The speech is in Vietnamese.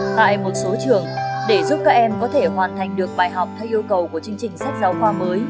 tại một số trường để giúp các em có thể hoàn thành được bài học theo yêu cầu của chương trình sách giáo khoa mới